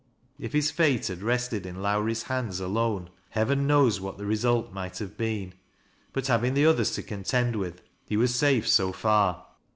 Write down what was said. If his fate had rested in Lowrie's hands alone, heaven knows ■^hat the result might have been ; but having the ethers to contend with, he was »afe BO far.